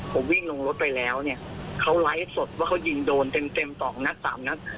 ผมวิ่งลงรถไปแล้วเนี่ยเขาไลฟ์สดว่าเขายิงโดนเต็มสองนัดสามนัด